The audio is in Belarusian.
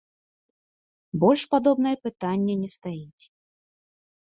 Больш падобнае пытанне не стаіць.